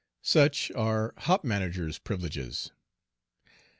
Such are "Hop managers' privileges."